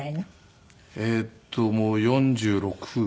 えっともう４６。